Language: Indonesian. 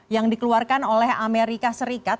yang dikeluarkan oleh amerika serikat